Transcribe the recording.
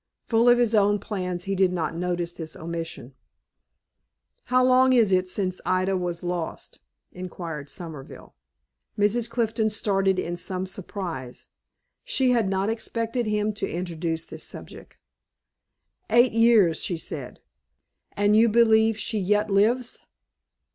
Full of his own plans, he did not notice this omission. "How long is it since Ida was lost?" inquired Somerville. Mrs. Clifton started in some surprise. She had not expected him to introduce this subject. "Eight years," she said. "And you believe she yet lives?"